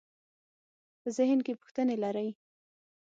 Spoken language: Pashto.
په ذهن کې پوښتنې لرئ؟